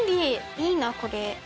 いいなこれ。